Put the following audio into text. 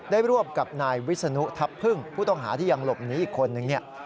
ได้รวบกับนายวิศนุทัพพึ่งผู้ต้องหาที่ยังหลบหนีอีกคน